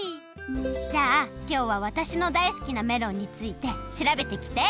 じゃあきょうはわたしのだいすきなメロンについてしらべてきて！